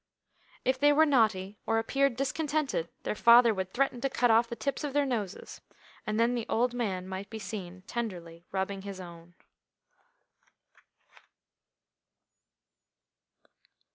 If they were naughty, or appeared discontented, their father would threaten to cut off the tips of their noses, and then the old man might be seen tenderly rubbing his own.